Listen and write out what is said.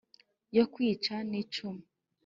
yo kicwa n'icumu